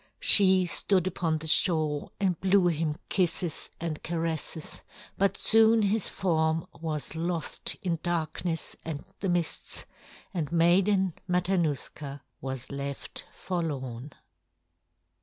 She stood upon the shore and blew him kisses and caresses, but soon his form was lost in darkness and the mists, and Maiden Matanuska was left forlorn.